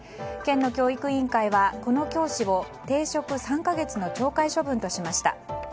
県の教育委員会はこの教師を停職３か月の懲戒処分としました。